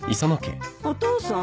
お父さん？